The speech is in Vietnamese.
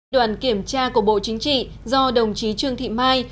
đoàn kiểm tra của bộ chính trị do đồng chí trương thị mai